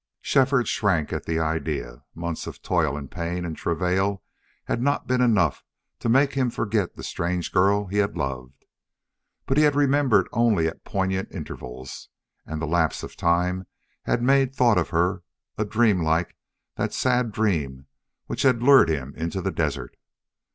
Shefford shrank at the idea. Months of toil and pain and travail had not been enough to make him forget the strange girl he had loved. But he had remembered only at poignant intervals, and the lapse of time had made thought of her a dream like that sad dream which had lured him into the desert.